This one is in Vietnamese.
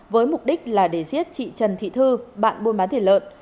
với mục đích là để giết chị trần thị thư bạn buôn bán thịt lợn